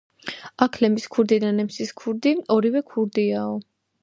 აქლემის ქურდი და ნემსის ქურდი ორივე ქურდიაო